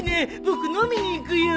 僕飲みに行くよ。